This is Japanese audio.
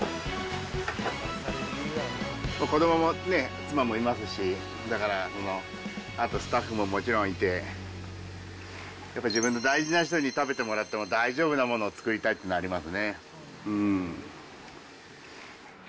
子どもも妻もいますし、だから、あとスタッフももちろんいて、やっぱり自分の大事な人に食べてもらっても大丈夫なものを作りたいっていうのはありますね。